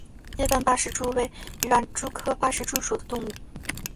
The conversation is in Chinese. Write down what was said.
叶斑八氏蛛为园蛛科八氏蛛属的动物。